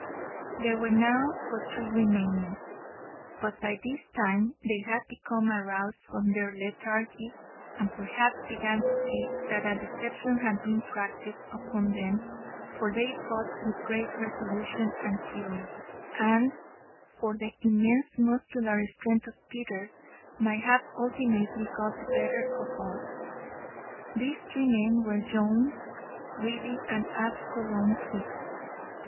There were now but three remaining; but by this time they had become aroused from their lethargy, and perhaps began to see that a deception had been practised upon them, for they fought with great resolution and fury, and, but for the immense muscular strength of Peters, might have ultimately got the better of us. These three men were—Jones, Greely, and Absolom Hicks.